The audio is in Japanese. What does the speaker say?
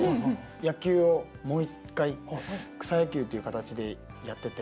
野球をもう一回草野球っていう形でやってて。